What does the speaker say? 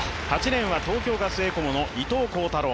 ８レーンは東京ガスエコモの伊藤孝太郎。